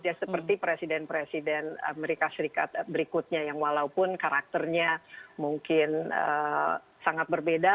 ya seperti presiden presiden amerika serikat berikutnya yang walaupun karakternya mungkin sangat berbeda